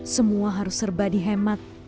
semua harus serba dihemat